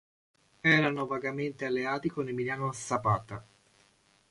Erano vagamente alleati con Emiliano Zapata.